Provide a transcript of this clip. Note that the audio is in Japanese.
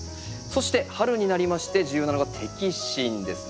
そして春になりまして重要なのが摘心ですね。